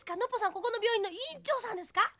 ここの病院のいんちょうさんですか？